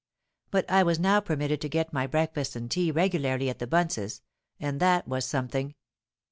But I was now permitted to get my breakfast and tea regularly at the Bunces'; and that was something.